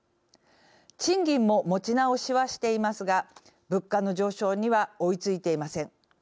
賃金も持ち直しはしてはいますが物価の上昇には追いついていません。